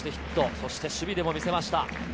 そして守備でも見せました。